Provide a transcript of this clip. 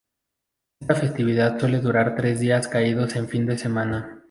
Esta festividad suele durar tres días caídos en fin de semana.